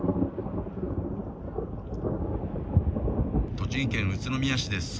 栃木県宇都宮市です。